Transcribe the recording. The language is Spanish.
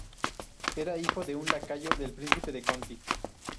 Era hijo de un lacayo del príncipe de Conti.